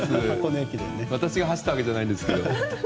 私が走ったわけじゃないんですが。